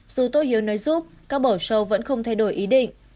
dù tô hiếu nói giúp các bỏ show vẫn không thay đổi ý định